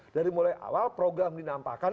dari mulai awal program dinampakkan